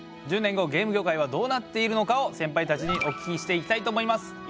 １０年後ゲーム業界はどうなっているのかをセンパイたちにお聞きしていきたいと思います。